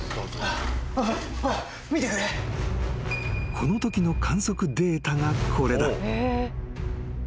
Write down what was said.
［このときの観測データがこれだ］